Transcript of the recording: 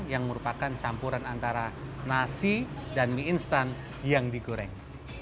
yang merupakan campuran antara nasi dan mie instan yang digoreng